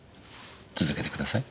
続けてください。